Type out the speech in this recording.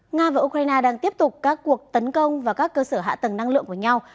nga và ukraine đang tiếp tục các cuộc tấn công vào các cơ sở hạ tầng năng lượng của nhau